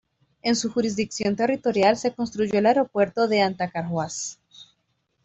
En su jurisdicción territorial se construyó el aeropuerto de Anta-Carhuaz.